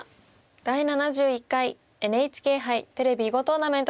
「第７１回ＮＨＫ杯テレビ囲碁トーナメント」です。